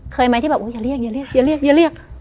เคยไหมที่แบบอย่าเรียก